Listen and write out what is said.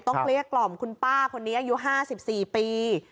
ต้องเรียกกล่อมคุณป้าคนนี้อายุ๕๔ปี